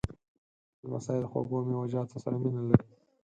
لمسی د خوږو میوهجاتو سره مینه لري.